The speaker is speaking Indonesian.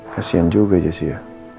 kasian juga jessy ya